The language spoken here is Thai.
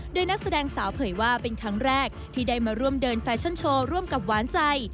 โดยนักแสดงสาวเผยว่าเป็นครั้งแรกที่ได้มาร่วมเดินแฟชั่นโชว์ร่วมกับหวานใจ